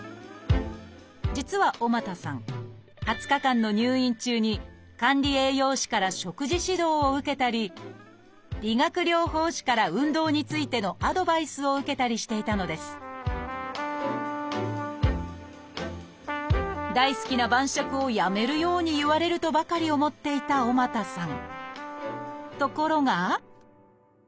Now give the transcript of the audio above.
実は尾又さん２０日間の入院中に管理栄養士から食事指導を受けたり理学療法士から運動についてのアドバイスを受けたりしていたのです大好きな晩酌をやめるように言われるとばかり思っていた尾又さん。